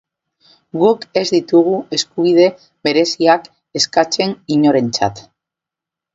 Guk ez ditugu eskubide bereziak eskatzen, inorentzat.